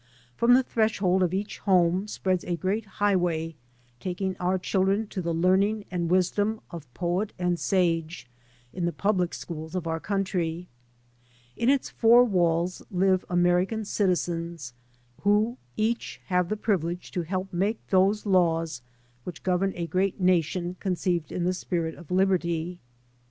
From the threshold of each home spreads a great highway taking our children to the learning and wisdom of poet and sage in the public schools of our country. In its four walls live American citizens, who each have the privilege to help make those laws which govern a great nation conceived in the spirit of liberty.